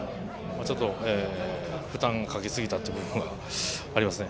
ちょっと負担かけすぎたというのはありますね。